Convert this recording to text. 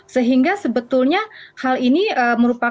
sehingga sebetulnya hal ini merupakan